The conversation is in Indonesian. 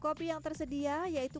kopi yang tersedia yaitu